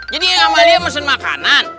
jadi yang amalia pesen makanan